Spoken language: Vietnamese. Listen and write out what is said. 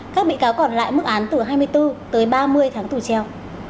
các bị cáo còn lại mức án từ hai mươi bốn tới ba mươi tháng tù treo